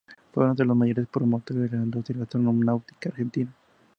Fue uno de los mayores promotores de la industria astronáutica argentina.